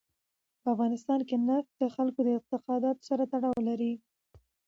په افغانستان کې نفت د خلکو د اعتقاداتو سره تړاو لري.